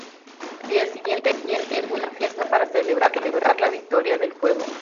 Al día siguiente, Will tiene una fiesta para celebrar la victoria del juego.